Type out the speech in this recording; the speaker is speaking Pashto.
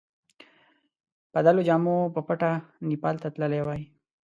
بدلو جامو په پټه نیپال ته تللی وای.